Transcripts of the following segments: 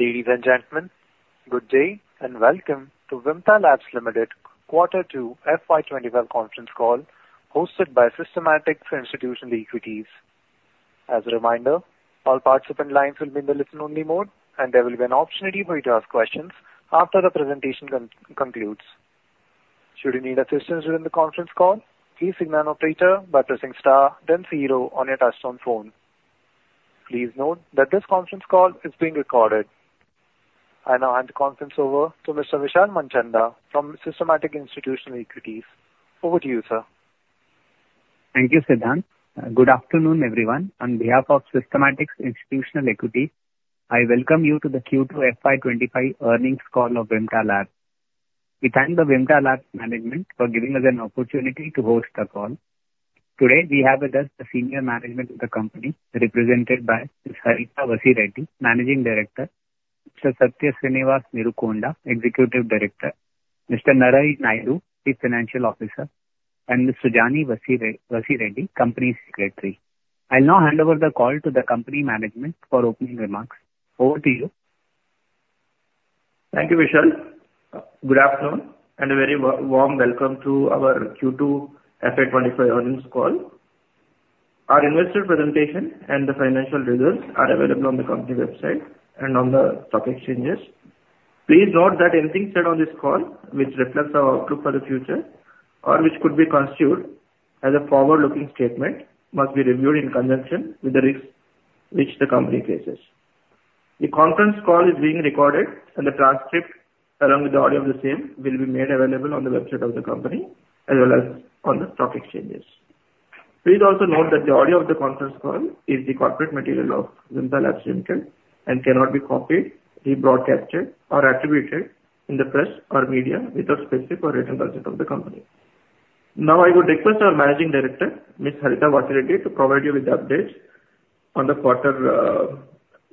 Ladies and gentlemen, good day and welcome to Vimta Labs Ltd. Quarter 2 FY 2025 conference call hosted by Systematix Institutional Equities. As a reminder, all participant lines will be in the listen-only mode and there will be an opportunity for you to ask questions after the presentation concludes. Should you need assistance during the conference call, please signal the operator by pressing star then zero on your touch-tone phone. Please note that this conference call is being recorded. I now hand the conference over to Mr. Vishal Manchanda from Systematix Institutional Equities. Over to you, sir. Thank you, Siddhant. Good afternoon everyone. On behalf of Systematix Institutional Equities I welcome you to the Q2 FY 2025 earnings call of Vimta Labs. We thank the Vimta Labs management for giving us an opportunity to host the call. Today we have with us the senior management of the company represented by Managing Director Mr. Satya Sreenivas Neerukonda, Executive Director, Mr. Narahari Naidu, Chief Financial Officer and Ms. Sujani Vasireddi, Company Secretary. I'll now hand over the call to the company management for opening remarks over to you. Thank you Vishal. Good afternoon and a very warm welcome to our Q2FY 2025 earnings call. Our investor presentation and the financial results are available on the company website and on the stock exchanges. Please note that anything said on this call which reflects our outlook for the future or which could be construed as a forward looking statement must be reviewed in conjunction with the risks which the company faces. The conference call is being recorded and the transcript along with the audio of the same will be made available on the website of the company as well. As on the stock exchanges. Please also note that the audio of the conference call is the corporate material of Vimta Labs Limited and cannot be copied, rebroadcast or attributed in the press or media without specific or written permission of the company. Now I would request our Managing Director Ms. Harita Vasireddi to provide you with updates on the quarter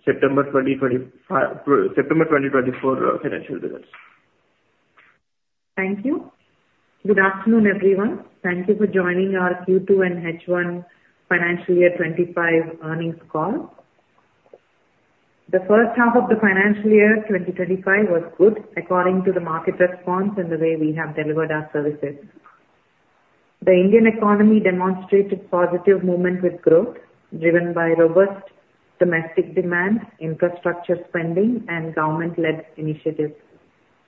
September 2024 financial results. Thank you. Good afternoon everyone. Thank you for joining our Q2 and H1 financial year 2025 earnings call. The first half of the financial year 2025 was good according to the market response and the way we have delivered our services. The Indian economy demonstrated positive momentum with growth driven by robust domestic demand, infrastructure spending and government led initiatives.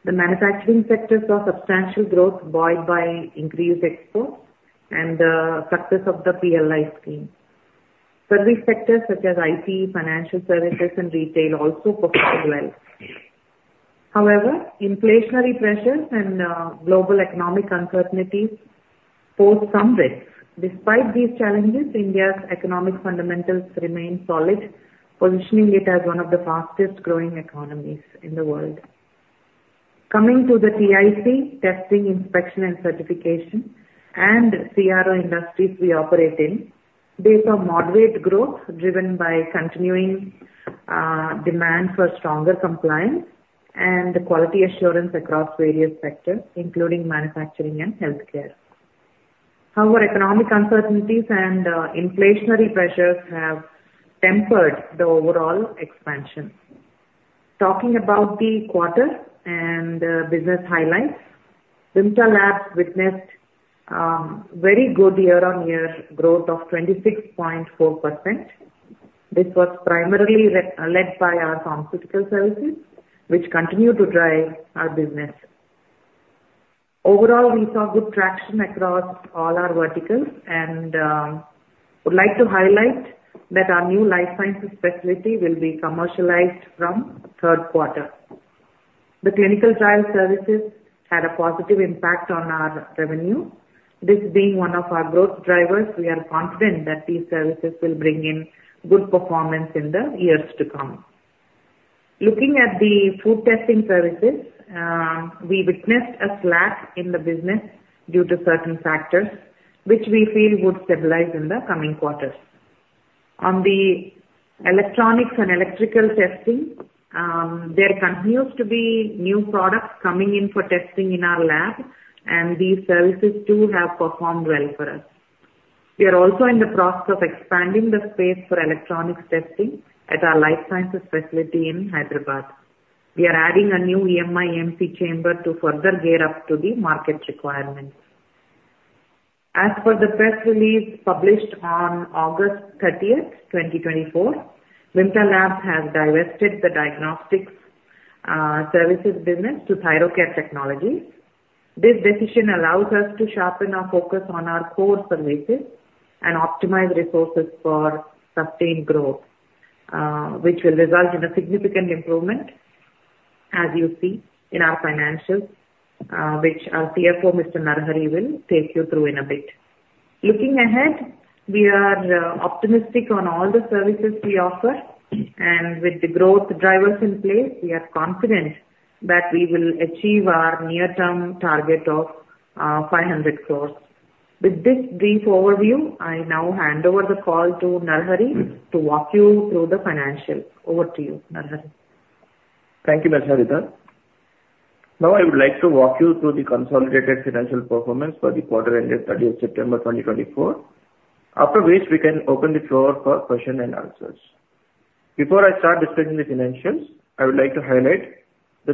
The manufacturing sector saw substantial growth buoyed by increased exports and the success of the PLI scheme. Service sectors such as IT, financial services and retail also performed well. However, inflationary pressures and global economic uncertainties pose some risks. Despite these challenges, India's economic fundamentals remain solid, positioning it as one of the fastest growing economies in the world. Coming to the TIC testing, inspection and certification and CRO industries we operate in based on moderate growth driven by continuing demand for stronger compliance and quality assurance across various sectors including manufacturing and healthcare. However, economic uncertainties and inflationary pressures have tempered the overall expansion. Talking about the quarter and business highlights, Vimta Labs witnessed very good year on year growth of 26.4%. This was primarily led by our pharmaceutical services which continue to drive our business. Overall, we saw good traction across all our verticals and would like to highlight that our new life sciences facility will be commercialized from third quarter. The clinical trial services had a positive impact on our revenue. This being one of our growth drivers, we are confident that these services will bring in good performance in the years to come. Looking at the food testing services, we witnessed a slack in the business due to certain factors which we feel would stabilize in the coming quarters. On the electronics and electrical testing, there continues to be new products coming in for testing in our lab and these services too have performed well for us. We are also in the process of expanding the space for electronics testing at our life sciences facility in Hyderabad. We are adding a new EMI/EMC Chamber to further gear up to the market requirements. As per the press release published on August 30, 2024, Vimta Labs has divested the diagnostics services business to Thyrocare Technologies. This decision allows us to sharpen our focus on our core services and optimize resources for sustained growth which will result in a significant improvement as you see in our financials which our CFO Mr. Narahari will take you through in a bit. Looking ahead, we are optimistic on all the services we offer and with the growth drivers in place we are confident that we will achieve our near term target of with this brief overview I now hand over the call to Narahari to walk you through the financials. Over to you Narahari, thank you. Now I would like to walk you through the consolidated financial performance for the quarter ended 30 September 2024, after which we can open the floor for questions and answers. Before I start discussing the financials, I would like to highlight that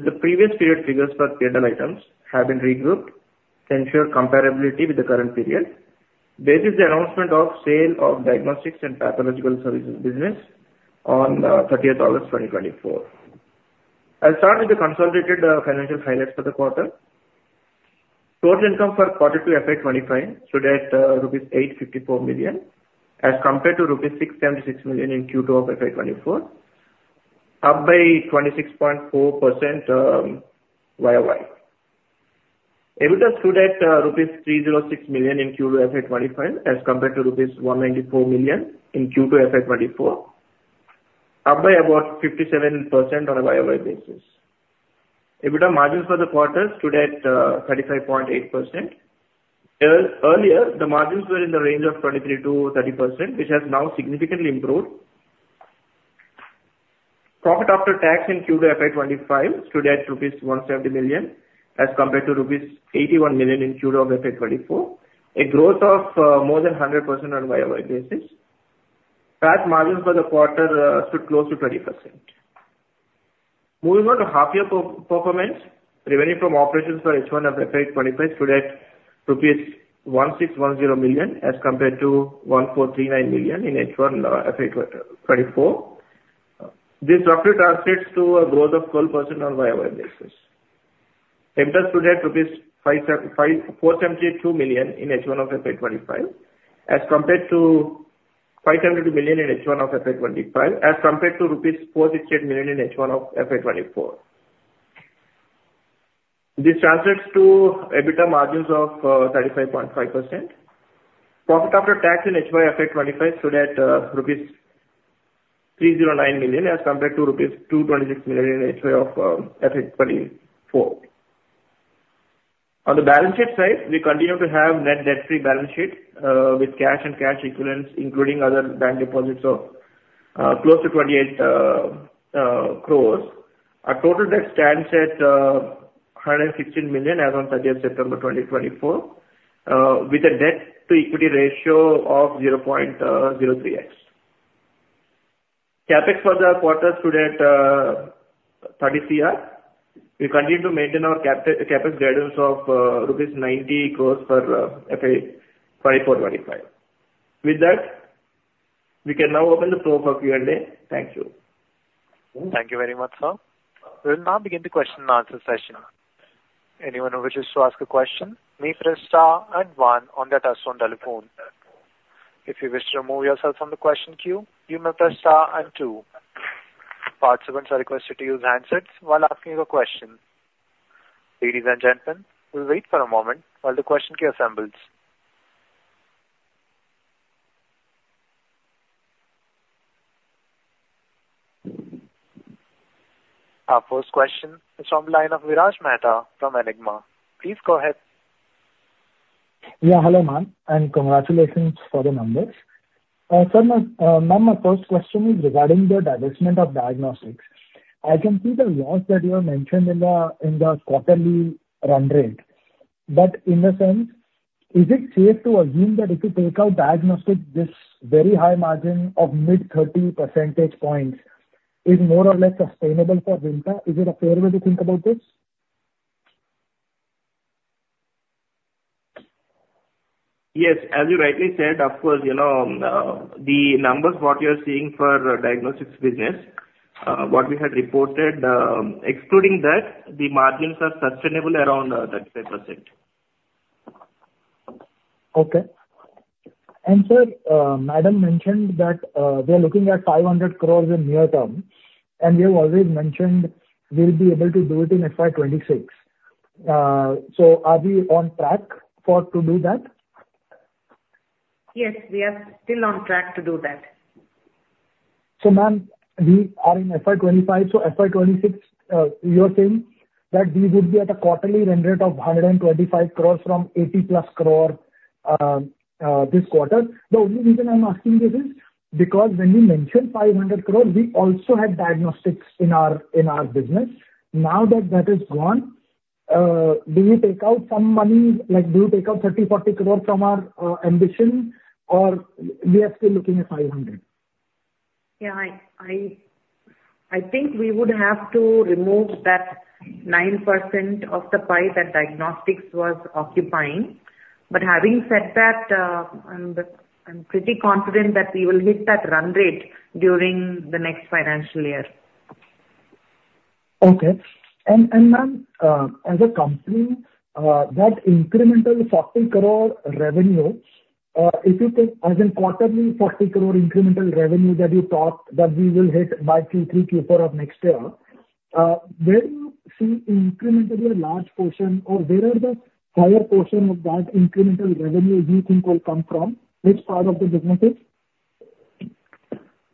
the previous period figures for P&L items have been regrouped to ensure comparability with the current period basis. The announcement of sale of Diagnostics and Pathological services business on 30 August 2024. I'll start with the consolidated financial highlights for the quarter. Total income for quarter two FY 2025 stood at rupees 854 million as compared to rupees 676 million in Q2 of FY 2024 up by 26.4% YoY. EBITDA stood at rupees 306 million in Q2 FY 2025 as compared to rupees 194 million in Q2 FY 2024 up by about 57% on a YoY basis. EBITDA margins for the quarter stood at 35.8%. Earlier the margins were in the range of 23%-30% which has now significantly improved. Profit after tax in Q2 FY 2025 stood at rupees 170 million as compared to rupees 81 million in Q2 of FY 2024. A growth of more than 100% on a YoY basis. PAT margin for the quarter stood close to 20%. Moving on to half year performance. Revenue from operations for H1 of FY 2025 stood at rupees 161.0 million as compared to 143.9 million in H1 FY 2024. This roughly translates to a growth of 12% on YoY basis. EBITDA stood at INR 472 million in H1 of FY 2025 as compared to rupees 468 million in H1 of FY 2024. This translates to EBITDA margins of 35.5%. Profit after tax in H1 FY 2025 stood at rupees 309 million as compared to rupees 226 million in H1 of FY 2024. On the balance sheet side, we continue to have a net debt free balance sheet with cash and cash equivalents, including other bank deposits, of close to 28 crores. Our total debt stands at 115 million as on 30th September 2024 with a debt to equity ratio of 0.03x. CapEx for the quarter stood at 30 crore. We continue to maintain our CapEx guidance of rupees 90 crores for FY 2025. With that, we can now open the floor for Q and A.Thank you. Thank you very much, sir. We will now begin the question and answer session. Anyone who wishes to ask a question may press star and one on their touchtone telephone. If you wish to remove yourself from the question queue, you may press star and 2. Participants are requested to use handsets while asking a question. Ladies and gentlemen, we'll wait for a moment while the question queue assembles. Our first question is from the line of Viraj Mehta from Equirus Securities. Please go ahead. Yeah.Hello, ma'am, and congratulations for the numbers. Ma'am, my first question is regarding the divestment of diagnostics. I can see the loss that you. Have mentioned in the. In the quarterly run rate. But in the sense, is it safe to assume that if you take out diagnostic, this very high margin of mid-30 percentage points is more or less sustainable for Vimta. Is it a fair way to think about this? Yes, as you rightly said, of course you know the numbers, what you're seeing for diagnostics business, what we had reported, excluding that the margins are sustainable around 35%. Okay. And sir, madam mentioned that we are looking at 500 crores in near term. And. We have always mentioned we'll be able to do it in FY 2026. Are we on track to do that? Yes, we are still on track to do that. So, ma'am, we are in FY 2025. So FY 2026 you are saying that we would be at a quarterly run rate of 125 crore from 80-plus crore this quarter. The only reason I'm asking this is because when we mentioned 500 crore we also had diagnostics in our business. Now that that is gone, do we take out some money? Like do you take out 30, 40 crore from our ambition or we are still looking at 500. Yeah. I think we would have to remove that 9% of the pie that diagnostics was occupying. But having said that, I'm pretty confident that we will hit that run rate during the next financial year. Okay. Ma'am, as a company, that incremental 40 crore revenue, if you think as in quarterly 40 crore incremental revenue that you talked that we will hit by Q3, Q4 of next year, where you see incrementally a large portion or where are the higher portion of that incremental revenue you think will come from which part of the businesses?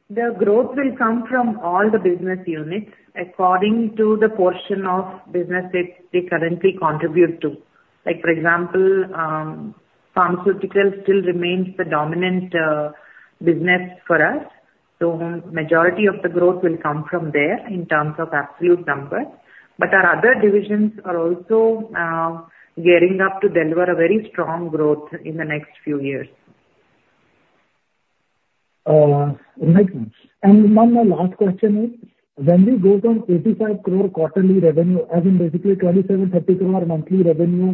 The growth will come from all the business units according to the portion of business that they currently contribute to. Like for example pharmaceutical still remains the dominant business for us. So majority of the growth will come from there in terms of absolute numbers. But our other divisions are also gearing up to deliver a very strong growth in the next few years. My last question is when we go from 85 crore quarterly revenue as in basically 2730 crore monthly revenue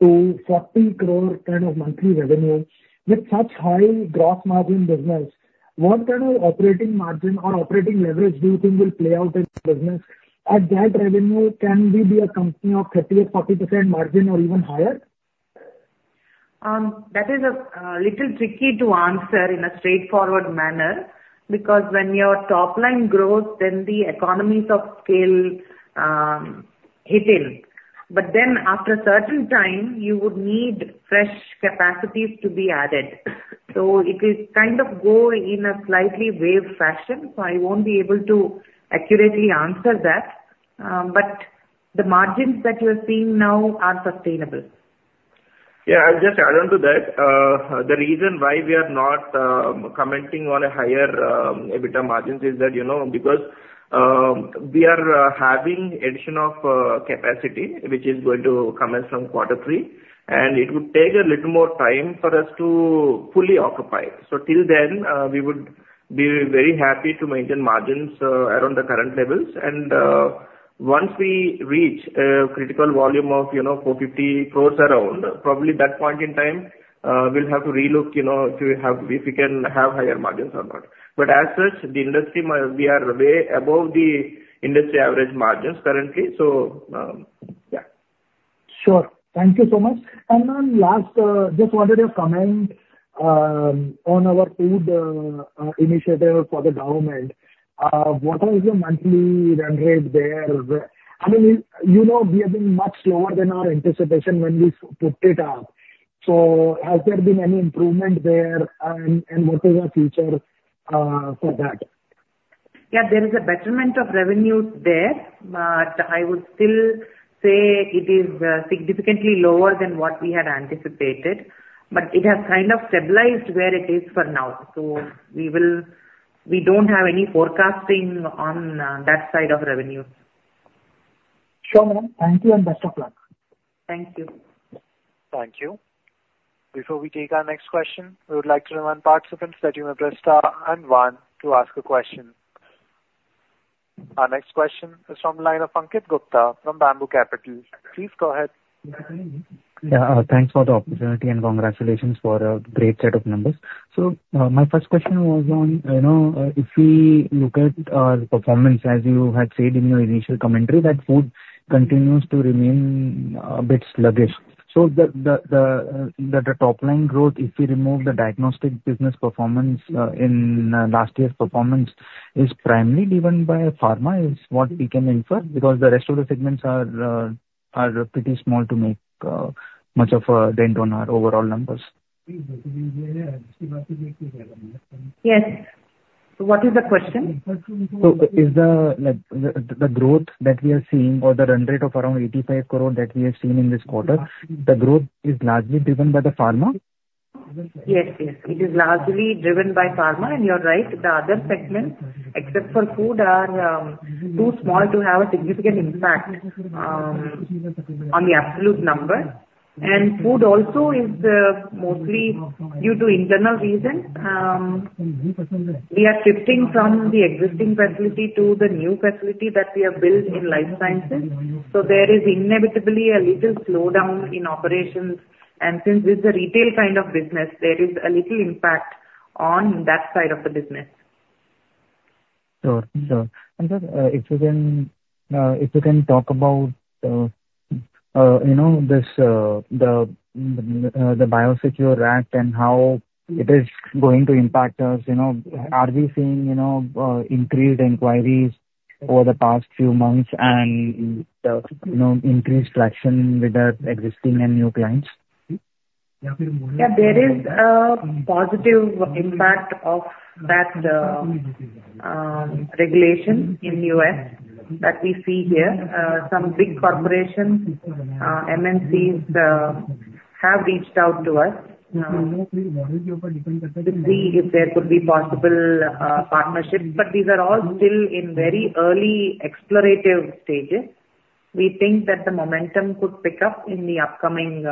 to 40 crore kind of monthly revenue with such high gross margin business, what kind of operating margin or operating leverage do you think will play out in business at that revenue? Can we be a company of 30% or 40% margin or even higher? That is a little tricky to answer in a straightforward manner because when your top line grows then the economies of scale hit in. But then after a certain time you would need fresh capacities to be added. So it is kind of go in a slightly wave fashion. So I won't be able to accurately answer that. But the margins that you are seeing now are sustainable. Yeah, I'll just add on to that. The reason why we are not commenting on a higher EBITDA margins is that, you know, because we are having addition of capacity which is going to commence from quarter three and it would take a little more time for us to fully occupy. So till then we would be very happy to maintain margins around the current levels, and once we reach a critical volume of you know, 450 crores around probably that point in time we'll have to relook, you know, if we can have higher margins or not. But as such the industry, we are way above the industry average margins currently. Yeah, sure. Thank you so much. And last, just wanted your comment on our food initiative for the government. What are the monthly run rate there? I mean, you know, we have been. Much slower than our anticipation when we put it up. So has there been any improvement there? What is our future for that? Yeah, there is a betterment of revenue there, but I would still say it is significantly lower than what we had anticipated, but it has kind of stabilized where it is for now, so we don't have any forecasting on that side of revenues. Sure madam. Thank you and best of luck. Thank you. Thank you. Before we take our next question, we would like to remind participants that you may press Star and one to ask a question. Our next question is from the line of Pankit Gupta from Bamboo Capital. Please go ahead. Thanks for the opportunity and congratulations for a great set of numbers. So my first question was on, you know, if we look at our performance as you had said in your initial commentary, that food continues to remain a bit sluggish. So the top line growth, if we remove the diagnostic business performance in last year's performance, is primarily driven by pharma, is what we can infer because the rest of the segments are pretty small to make much of a dent on our overall numbers. Yes. So what is the question? Is the growth that we are seeing or the run rate of around 85 crore that we have seen in this quarter? The growth is largely driven by the pharma. Yes, yes it is largely driven by pharma and you're right, the other segment, except for food are too small to have a significant impact on the absolute number. And food also is mostly due to internal reason we are shifting from the existing facility to the new facility that we have built in life sciences. So there is inevitably a little slowdown in operations. And since this is a retail kind of business, there is a little impact on that side of the business. Sure, if you can talk about, you know, the Biosecure Act and how it is going to impact us. You know, are we seeing you know, increased inquiries over the past few months and you know, increased traction with the existing and new clients? Yeah, there is a positive impact of. That. Regulation in U.S. that we see here. Some big corporations, MNC have reached out. To us. To see if there could be possible partnerships but these are all still in very early explorative stages. We think that the momentum could pick up in the upcoming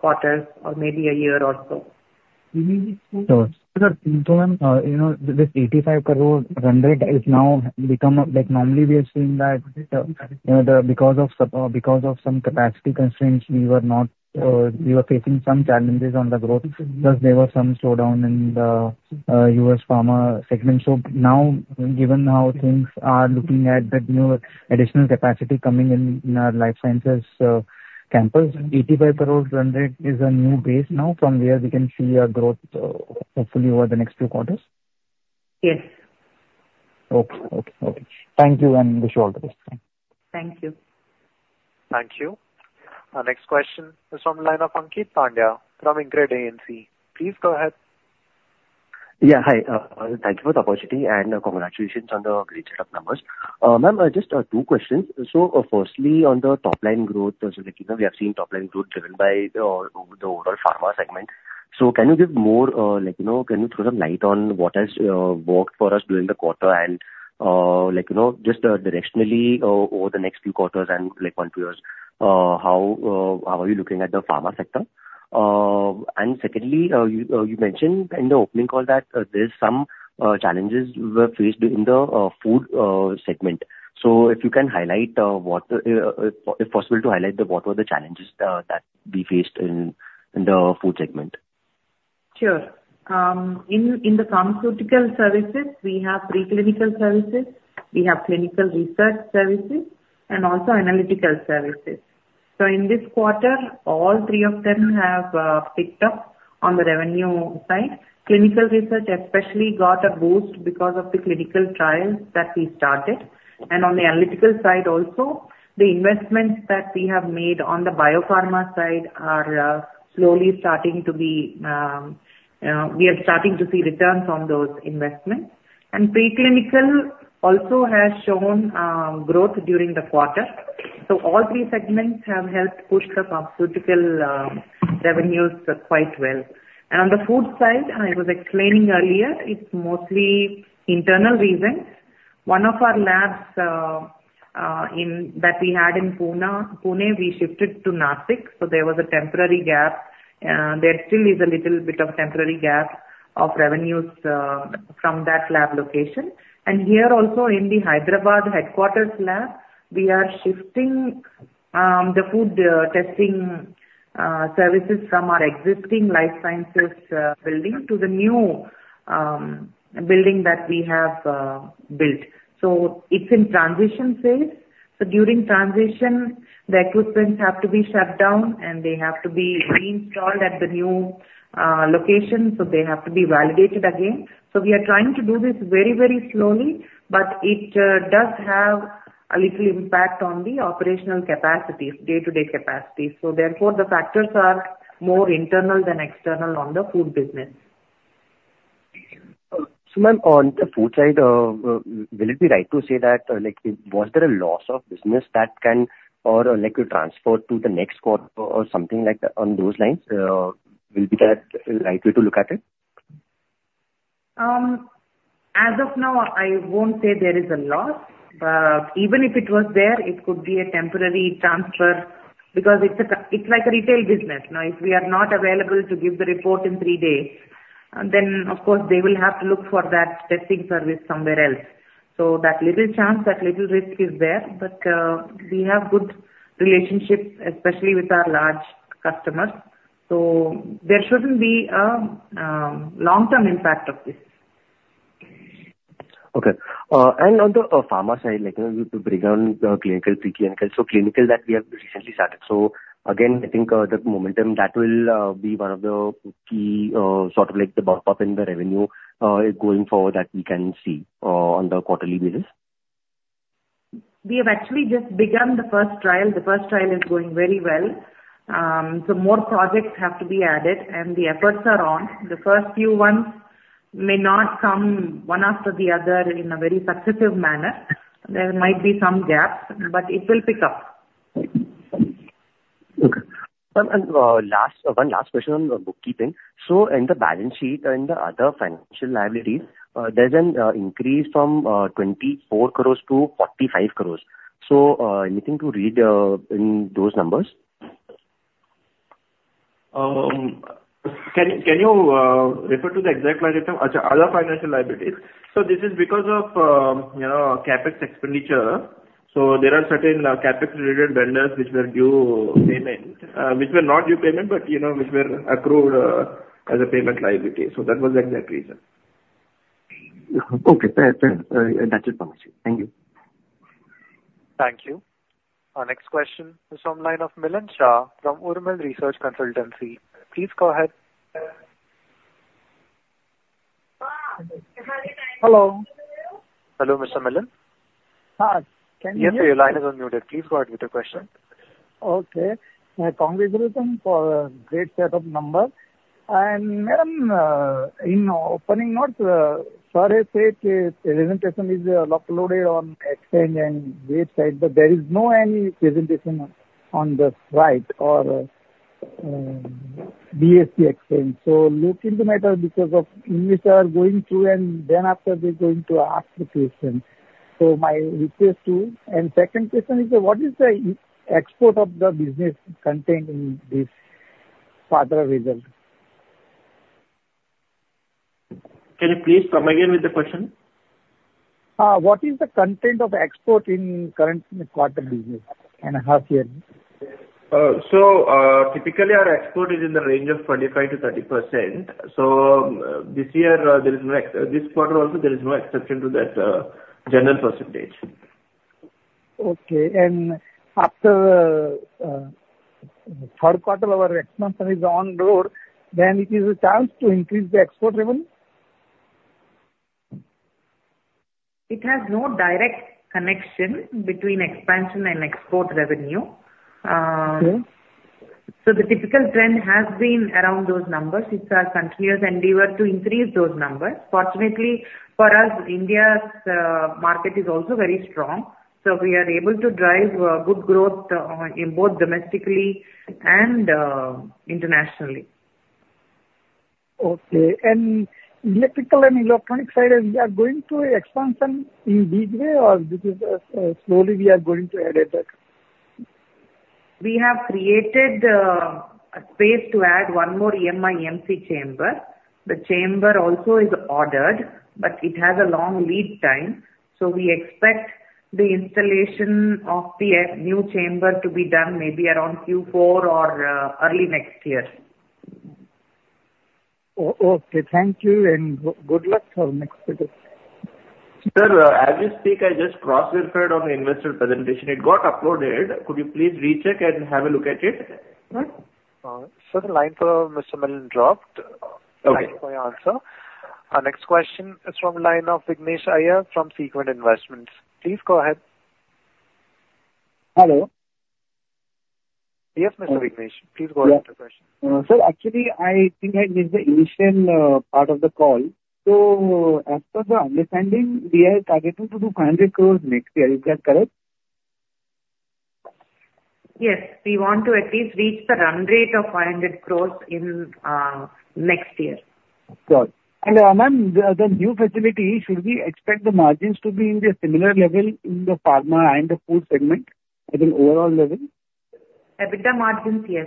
quarters or maybe a year or so. You know, this 85 crore run rate is now become like normally we are seeing that, you know, because of, because of some capacity constraints. We were facing some challenges on the growth because there was some slowdown in the U.S. pharma segment. So, now, given how things are looking at that new additional capacity coming in our life sciences campus, 85 crore is a new base now from where we can see a growth, hopefully over the next few quarters. Yes. Okay. Okay, thank you and wish you all the best. Thank you. Thank you. Our next question is from the line of Ankeet Pandya from InCred AMC. Please go ahead. Yeah, hi, thank you for the opportunity and congratulations on the great set of numbers. Ma'am, just two questions. So, firstly, on the top line growth we have seen, top line growth driven by the overall pharma segment. So, can you give more, like, you know, can you throw some light on what has worked for us during the quarter and, like, you know, just directionally over the next few quarters and, like, one, two years, how are you looking? At the pharma sector? Secondly, you mentioned in the opening call that there's some challenges were faced in the food segment. If you can highlight what were the challenges that we faced in the food segment? Sure. In the pharmaceutical services we have preclinical services, we have clinical research services and also analytical services. So in this quarter all three of them have picked up on the revenue side, clinical research especially got a boost because of the clinical trials that we started. And on the analytical side also the investments that we have made on the biopharma side are slowly starting to be, we are starting to see returns on those investments. And preclinical also has shown growth during the quarter. So all three segments have helped push the pharmaceutical revenues quite well. And on the food side, I was explaining earlier, it's mostly internal reasons. One of our labs that we had in Pune, we shifted to Nashik. So there was a temporary gap. There still is a little bit of temporary gap of revenues from that lab location. And here also in the Hyderabad headquarters lab, we are shifting the food testing services from our existing life sciences building to the new building that we have built. So it's in transition phase. So during transition the equipment have to be shut down and they have to be reinstalled at the new location. So they have to be validated again. So we are trying to do this very, very slowly but it does have a little impact on the operational capacities, day to day capacity. So therefore the factors are more internal than external. On the food business. So, on the food side. Will it be right to say that? Was there a loss of business that can or will transfer to the next quarter or something like that? On those lines, will that be likely to look. At it. As of now I won't say there is a lot but even if it was there, it could be a temporary transfer because it's like a retail business now. If we are not available to give the report in three days then of course they will have to look for that testing service somewhere else. So that little chance, that little risk is there. But we have good relationships especially with our large customers. So there shouldn't be a long term impact of this. Okay. And on the pharma side, like to bring on the clinical piece and so clinical that we have recently started. So again, I think the momentum that. Will be one of the key. Sort of like the bump up in the revenue going forward that we can see on the quarterly basis. We have actually just begun the first trial. The first trial is going very well. So more projects have to be added and the efforts are on. The first few ones may not come one after the other in a very successive manner. There might be some gaps but it will pick up. One last question on bookkeeping. So in the balance sheet and the other financial liabilities there's an increase from 24 crores to 45 crores. So anything to read in those numbers? Can you refer to the exact liability? Other financial liabilities. So this is because of, you know, CapEx expenditure. So there are certain CapEx related vendors which were due payment, which were not due payment but, you know, which were accrued as a payment liability. So that was the exact reason. Okay, that's it. Thank you. Thank you. Our next question is from the line of Milan Shah from Urmil Research Consultancy. Please go ahead. Hello. Hello Mr. Milan. Yes sir, your line is unmuted. Please go ahead with your question. Okay. Congratulations for a great set of numbers. Madam, in opening notes. Sorry, the said presentation is uploaded on exchange and website. But there is no any presentation on. The right or BSE exchange. So look into matter because of English are going through and then after they're going to ask the question. So my request to and second question is what is the outlook of the business contained in this quarter's result? Can you please come again with the question? What is the content of export in? Current quarter business and a half year? So typically our export is in the range of 25%-30%. So this year there is this quarter also. There is no exception to that general percentage. Okay. And after. Third quarter, our expansion is on board. Then it is a chance to increase the export revenue. It has no direct connection between expansion and export revenue. So the typical trend has been around those numbers. It's a continuous endeavor to increase those numbers. Fortunately for us, India's market is also very strong. So we are able to drive good growth in both domestically and internationally. Okay, and electrical and electronics side we are going to expansion in this way or this is slowly we are going to add it. We have created a space to add one more EMI/EMC chamber. The chamber also is ordered but it has a long lead time. So we expect the installation of the new chamber to be done maybe around Q4 or early next year. Okay, thank you and good luck. Sir, as you speak I just cross-referenced the investor presentation. It got uploaded. Could you please recheck and have a look at it? So the line for Mr. Melan dropped. Okay, our next question is from the line of Vignesh Iyer from Sequent Investments. Please go ahead. Hello. Yes Mr. Vignesh, please go ahead. Sir, actually I think I missed the. Initial part of the call. So as per the understanding we are. Targeting to do 500 crores next year, is that correct? Yes, we want to at least reach the run rate of 500 crores in next year. And the new facility, should we expect the margins to be in the similar? Leadership in the pharma and the food. Segment, I think overall level, EBITDA margins. Yes.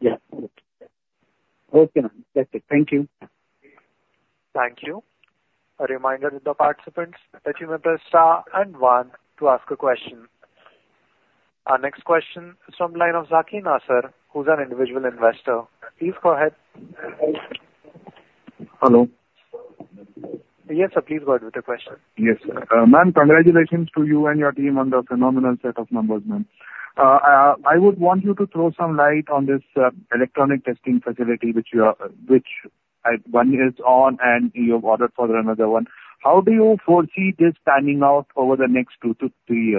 Yeah. Okay. That's it. Thank you. Thank you. A reminder to the participants that you may press star and one to ask a question. Our next question from line of Zaki Nasser, who's an individual investor, please go ahead. Hello. Yes, sir. Please go ahead with the question. Yes, ma'. Am. Congratulations to you and your team on the phenomenal set of numbers. Ma'am, I would want you to. Throw some light on this electronics testing? Facility which you are. Which one is on, and you have ordered for another one. How do you foresee this standing out? Over the next two to three?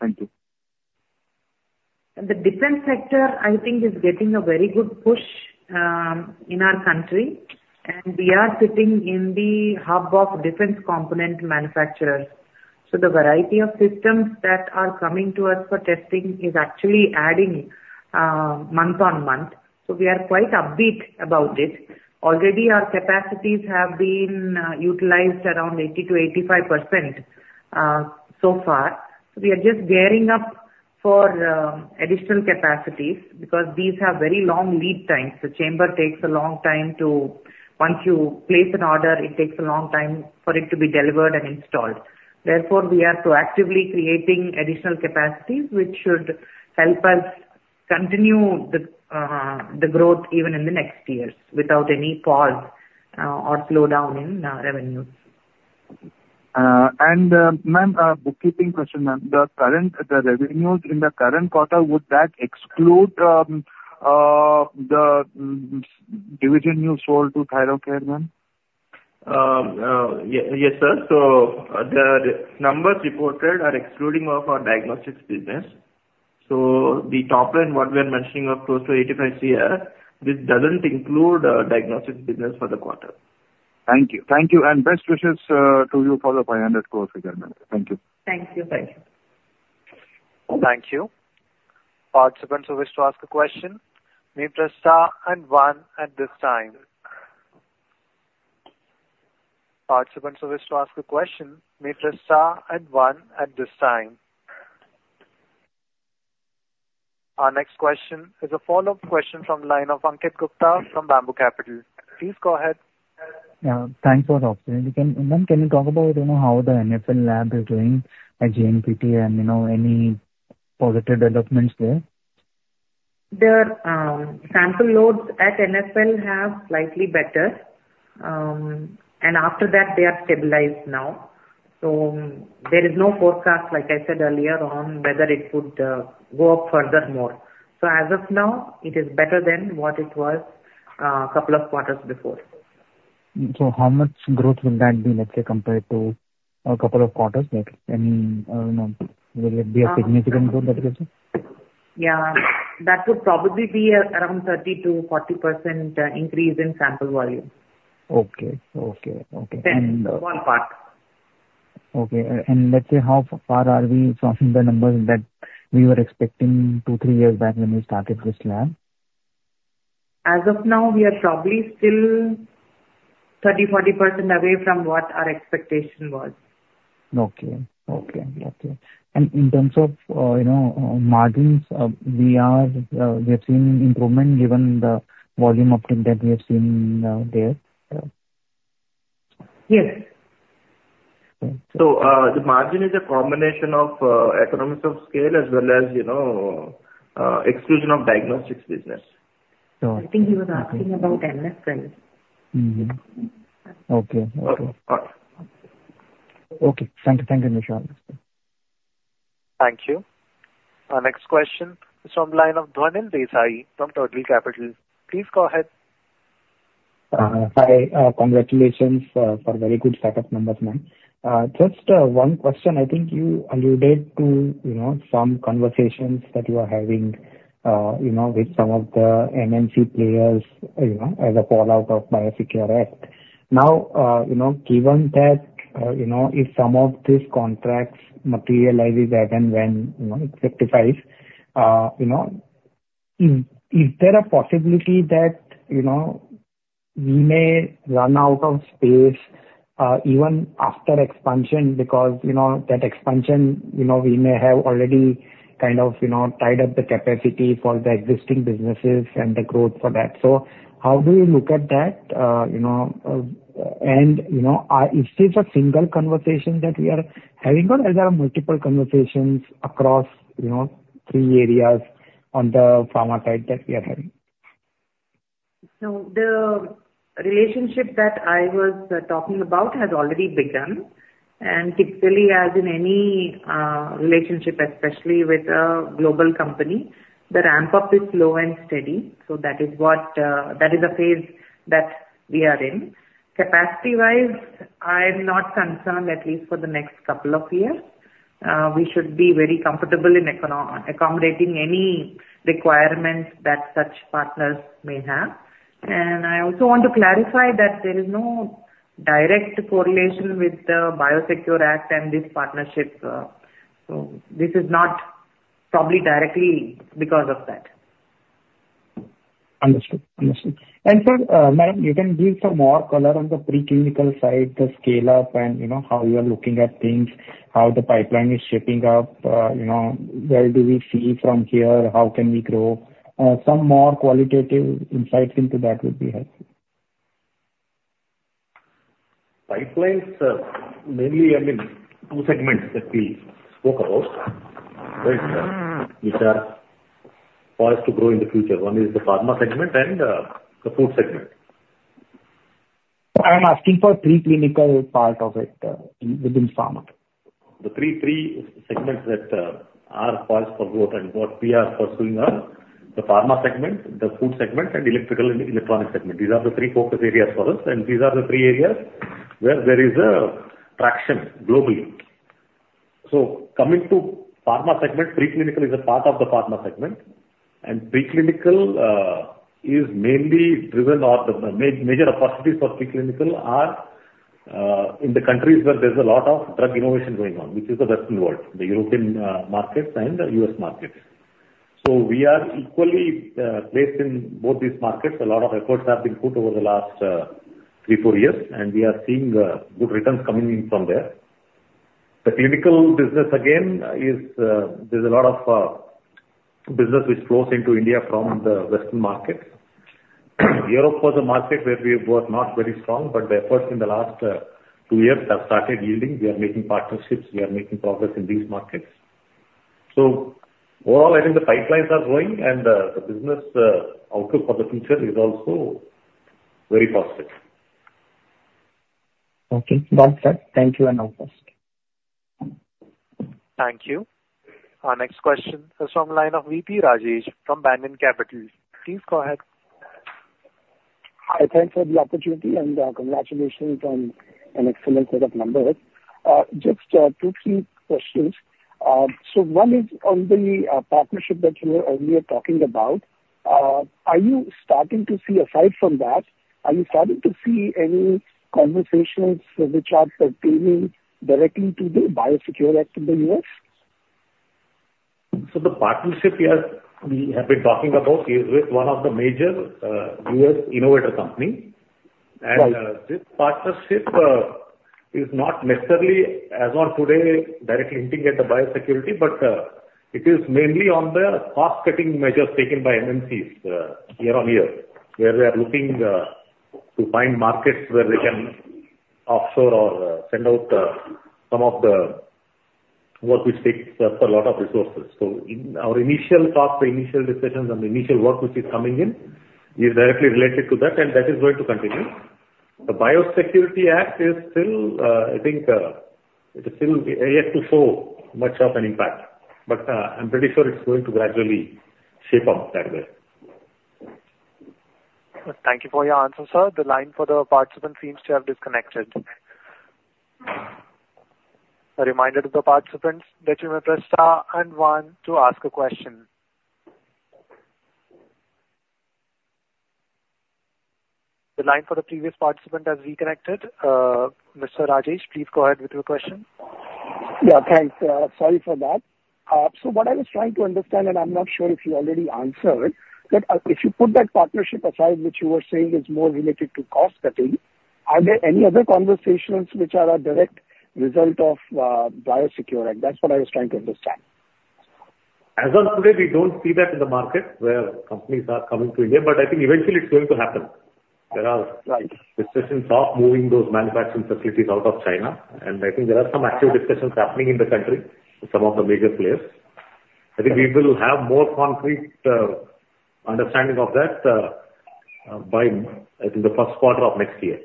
Thank you. The defense sector I think is getting a very good push in our country and we are sitting in the hub of defense component manufacturers. So the variety of systems that are coming to us for testing is actually adding month on month. So we are quite upbeat about it. Already our capacities have been utilized around 80%-85% so far. We are just gearing up for additional capacities because these have very long lead times. The chamber takes a long time to once you place an order, it takes a long time for it to be delivered and installed. Therefore, we are proactively creating additional capacities which should help us continue the growth even in the next years without any pause or slow down in revenues. And bookkeeping. Question, ma'am, the current revenues in the current quarter, would that exclude the. Division you sold to Thyrocare, ma'am? Am? Yes, sir. The numbers reported are exclusive of our diagnostics business, so the top line what we are mentioning of close to 85 crores, this doesn't include diagnostic business for the quarter. Thank you. Thank you and best wishes to you for the 500 crore figure. Thank you. Thank you. Thank you. Participants who wish to ask a question may press star one at this time. Participants who wish to ask a question may press star one at this time. Our next question is a follow-up question from the line of Pankit Gupta from Bamboo Capital. Please go ahead. Yeah, thanks for the opportunity. Can you talk about, you know, how the NFL lab is doing at JNPT and you know, any positive developments there? The sample loads at NFL have slightly better, and after that they are stabilized now. So there is no forecast like I said earlier on whether it would go up furthermore. So as of now it is better than what it was a couple of quarters before. So how much growth will that be? Let's say compared to a couple of quarters, will it be a significant growth? That will say yeah, that would probably be around 30%-40% increase in sample volume. Okay, okay, okay. Okay. Let's say how far are we from the numbers that we were expecting two, three years back when we started this lab? As of now, we are probably still 30%-40% away from what our expectation was. Okay. In terms of, you know, margins, we have seen improvement given the volume of that we have seen there. Yes. So the margin is a combination of economies of scale as well as, you know, exclusion of diagnostics business. I think he was asking about NFL. Okay. Okay, thank you. Thank you, next. Thank you. Our next question is from line of Dhuanil Desai from Turtle Capital. Please go ahead. Hi. Congratulations for very good setup numbers. Ma'am, just one question. I think you alluded to, you know, some conversations that you are having, you know, with some of the MNC players, you know, as a fallout of BIOSECURE Act now, you know, given that, you know, if some of these contracts materializes again when it rectifies, you know, is. There's a possibility that, you know, we. May run out of space even after expansion? Because, you know, that expansion, you know, we may have already kind of, you know, tied up the capacity for the existing businesses and the growth for that. So how do you look at that, you know, and is this a single? Conversation that we are having. there multiple conversations across three areas on the pharma side that we are having? So the relationship that I was talking about has already begun. And as in any relationship, especially with a global company, the ramp up is slow and steady. So that is what that is a phase that we are in, capacity wise. I am not concerned, at least for the next couple of years. We should be very comfortable in accommodating any requirements that such partners may have. And I also want to clarify that there is no direct correlation with the BIOSECURE Act and this partnership. This is not probably directly because of that. Understood. And, sir, madam, you can give some. More color on the preclinical side, the scale up and you know, how you are looking at things, how the pipeline is shaping up, you know, where do we see from here, how can we grow? Some more qualitative insights into that would be helpful. Pipeline, sir. Mainly I mean two segments that we spoke about which are for us to grow in the future. One is the pharma segment and the food segment. I am asking for three clinical part. Of it within pharma. The three segments that are poised for growth and what we are pursuing are the pharma segment, the food segment, and electrical and electronics segment. These are the three focus areas for us, and these are the three areas where there is traction globally. Coming to the pharma segment, preclinical is a part of the pharma segment, and preclinical is mainly driven, or the major opportunities for preclinical are in the countries where there's a lot of drug innovation going on, which is the Western world, the European markets, and the U.S. markets. We are equally placed in both these markets. A lot of efforts have been put over the last three, four years, and we are seeing good returns coming in from there. The clinical business again is; there's a lot of business which flows into India from the Western markets. Europe was a market where we were not very strong, but the efforts in the last two years have started yielding. We are making partnerships, we are making progress in these markets. So overall I think the pipelines are growing and the business outlook for the future is also very positive. Okay, thank you, and of course. Thank you. Our next question from the line of VP Rajesh from Banyan Capital. Please go ahead. I thank for the opportunity and congratulations on an excellent set of numbers. Just two, three questions. So one is on the partnership that you were earlier talking about. Are you starting to see aside from that, are you starting to see any conversations which are pertaining directly to the BIOSECURE Act in the U.S.? So the. Partnership we have been talking about is with one of the major U.S. innovator company and this partnership is not necessarily as on today directly hinting at the BIOSECURE Act, but it is mainly on the cost cutting measures taken by MNCs year on year where they are looking to find markets where they can offshore or send out some of the work which takes a lot of resources. So our initial talk, the initial discussions and initial work which is coming in is directly related to that and that is going to continue. The BIOSECURE Act is still, I think it is still yet to show much of an impact, but I'm pretty sure it's going to gradually shape up that way. Thank you for your answer, sir. The line for the participant seems to have disconnected. A reminder to the participants that you may press Star and one to ask a question. The line for the previous participant has reconnected. Mr. Rajesh, please go ahead with your question. Yeah, thanks. Sorry for that. So what I was trying to understand and I'm not sure if you already answered that, if you put that partnership aside, which you were saying is more related to cost cutting, are there any other conversations which are a direct result of BIOSECURE? That's what I was trying to understand. As of today, we don't see that in the market where companies are coming to India. But I think eventually it's going to happen. There are discussions of moving those manufacturing facilities out of China and I think there are some active discussions happening in the country, some of the major players. I think we will have more concrete understanding of that by the first quarter of next year.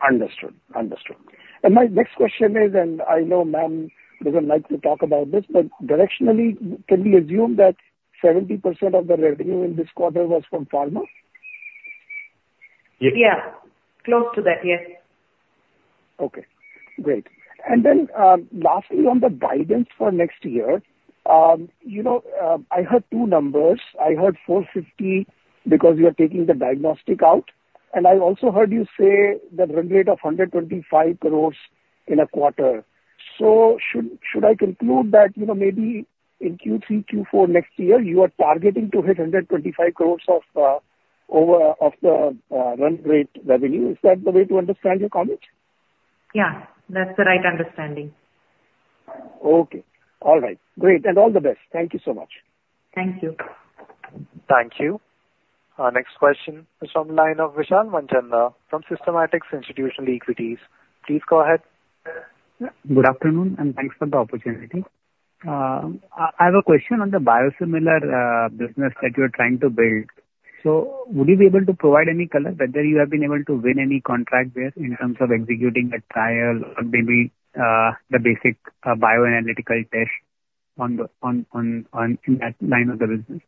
Understood, Understood. And my next question is, and I know ma'am doesn't like to talk about this, but directionally can we assume that 70% of the revenue in this quarter was from pharma? Yeah, close to that, yes. Okay, great. And then lastly on the guidance for next year, you know I heard two numbers. I heard 450 because you are taking the diagnostic out and I also heard you say the run rate of 125 crores in a quarter. So should, should I conclude that, you know, maybe in Q3, Q4 next year you are targeting to hit 125 crores of over of the run rate revenue. Is that the way to understand your comments? Yeah, that's the right understanding. Okay. All right, great. All the best. Thank you so much. Thank you. Thank you. Our next question is from the line of Vishal Manchanda from Systematix Institutional Equities. Please go ahead. Good afternoon and thanks for the opportunity. I have a question on the biosimilar business that you are trying to build. So would you be able to provide any color whether you have been able to win any contract there in terms of executing a trial or maybe the basic bioanalytical test in that line of the business?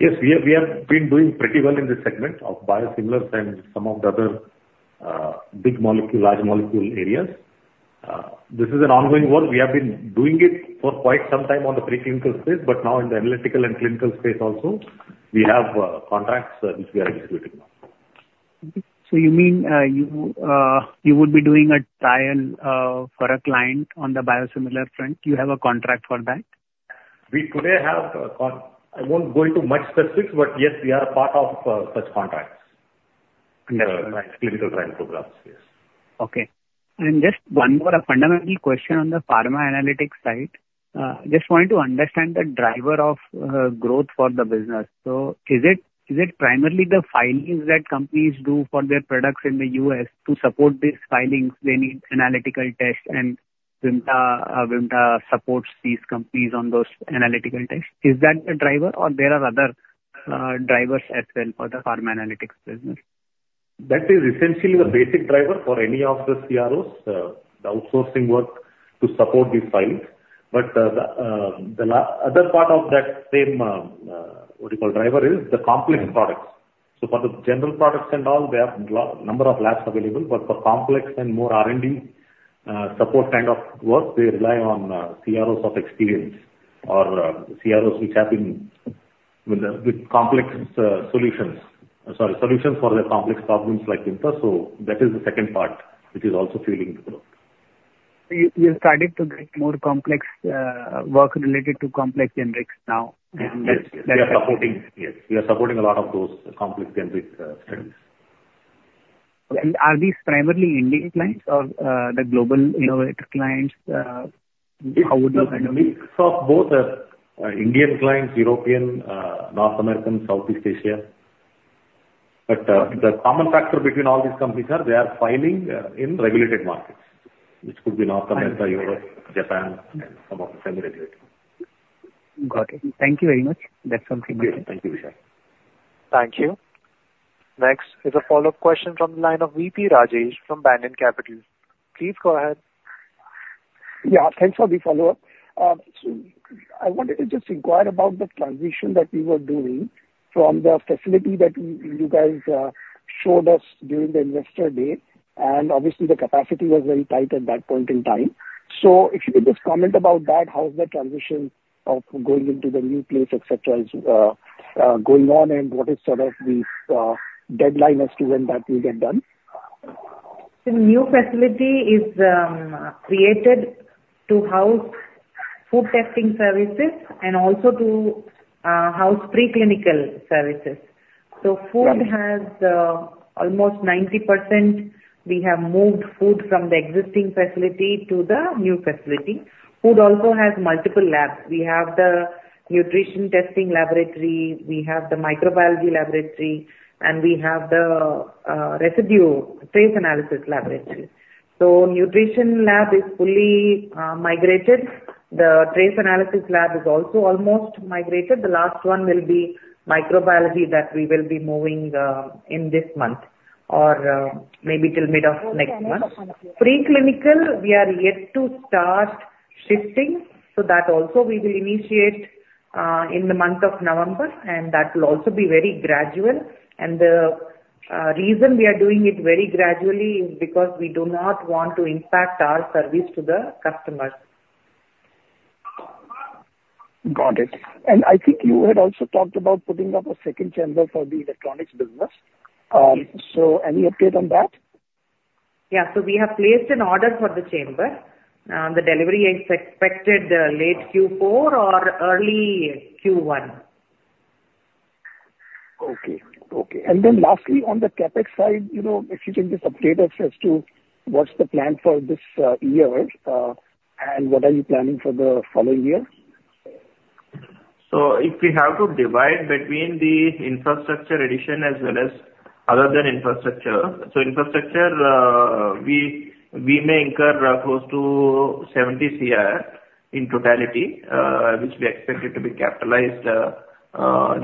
Yes, we have been doing pretty well in this segment of biosimilars and some of the other big molecule large molecule areas. This is an ongoing work. We have been doing it for quite some time on the preclinical space. But now, in the analytical and clinical. Space also we have contracts which we are executing now. So you mean you would be doing? A trial for a client on the biosimilar front you have a contract for that? We today have. I won't go into much specifics but yes, we are part of such contracts, clinical trial programs. Yes. Okay. And just one more fundamental question on the pharma analytics side. Just wanted to understand the driver of growth for the business. So is it, is it primarily the filings that companies do for their products in the US to support these filings they need analytical test and? Supports these. Companies on those analytical tests. Is that a driver or there are other drivers as well? For the pharma analytics business that is. Essentially the basic driver for any of the CROs, the outsourcing work to support these filings. But the other part of that same what you call driver is the complex products. So for the general products and all there are number of labs available. But for complex and more R and D support kind of work they rely on CROs of experience or CROs which have been with complex solutions, sorry solutions for the complex problems like. So that is the second part which is also fueling the growth. You started to get more complex work related to complex generics. Now. We are supporting a lot of those complex generic studies. Are these primarily Indian clients or the global innovative clients? Mix of both Indian clients, European, North American, Southeast Asia, but the common factor between all these companies are they are filing in regulated markets which could be North America, Europe, Japan. Got it. Thank you very much. That's something. Thank you Vishal. Thank you. Next is a follow-up question from the line of VP Rajesh from Banyan Capital. Please go ahead. Yeah, thanks for the follow up. So I wanted to just inquire about the transition that we were doing from the facility that you guys showed us during the investor day and obviously the capacity was very tight at that point in time. So if you could just comment about that. How's the transition of going into the new place etc is going on and? What is sort of the deadline as? To when that will get done? New facility is created to house food testing services and also to house preclinical services. So food has almost 90%. We have moved food from the existing facility to the new facility. Food also has multiple labs. We have the nutrition testing laboratory, we have the microbiology laboratory, and we have the residue trace analysis laboratory. So nutrition lab is fully migrated. The trace analysis lab is also almost migrated. The last one will be microbiology that we will be moving in this month or maybe till mid of next month. Preclinical we are yet to start shifting so that also we will initiate in the month of November and that will also be very gradual. And the reason we are doing it very gradually is because we do not want to impact our service to the customers. Got it. And I think you had also talked about putting up a second chamber for the electronics business. So any update on that? Yeah, so we have placed an order for the chamber. The delivery is expected late Q4 or early Q1. Okay. Okay. And then lastly on the CapEx side, you know, if you can just update us as to what's the plan for this year and what are you planning for the following year. So if we have to divide between the infrastructure addition as well as other than infrastructure, infrastructure we may incur close to 70 Cr in totality, which we expect it to be capitalized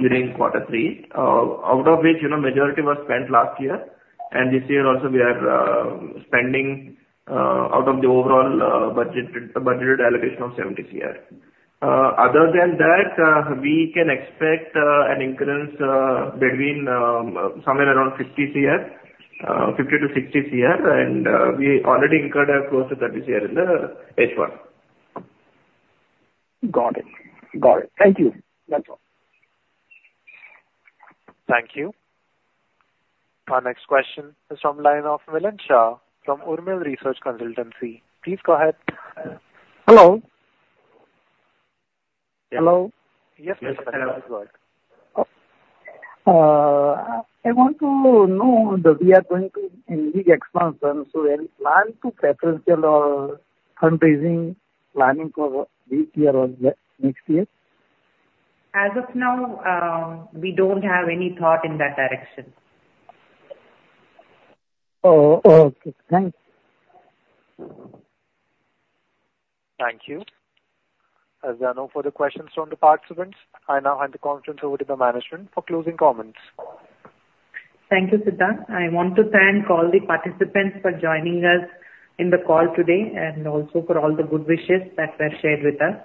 during quarter three, out of which majority was spent last year and this year also we are spending out of the overall budgeted allocation of 70 Cr. Other than that we can expect an increase between somewhere around 50 Cr, 50 Cr to 60 Cr, and we already incurred close to 30 Cr in the H1. Got it. Got it. Thank you. That's all. Thank you. Our next question is from the line of Milan Shah from Urmil Research Consultancy. Please go ahead. Hello. Hello. Yes, I want to know that we are going to inorganic expansion. So any plan to preferential or fundraising planning for this year or next year? As of now we don't have any thought in that direction. Thank you. As there are no further questions from the participants, I now hand the conference over to the management for closing comments. Thank you, Siddhant. I want to thank all the participants for joining us in the call today and also for all the good wishes that were shared with us.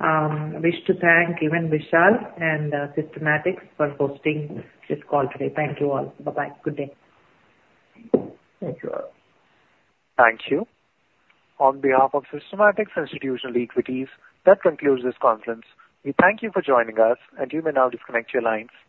I wish to thank even Vishal and Systematix for hosting this call today. Thank you all. Bye bye. Good day. Thank you. On behalf of Systematix Institutional Equities. That concludes this conference. We thank you for joining us and you may now disconnect your lines. Thank you.